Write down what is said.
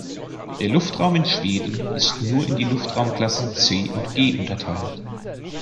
Der Luftraum in Schweden ist nur in die Luftraumklassen C und G unterteilt.